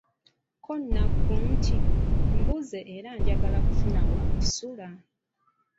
Ko Nakku nti, mbuze era njagala kufuna wa kusula!